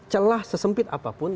celah sesempit apapun